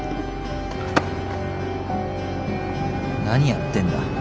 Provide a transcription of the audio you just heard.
何やってんだ。